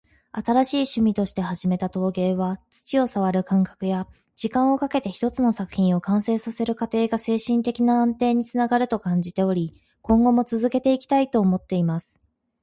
「新しい趣味として始めた陶芸は、土を触る感覚や、時間をかけて一つの作品を完成させる過程が精神的な安定につながると感じており、今後も続けていきたいと思っています。」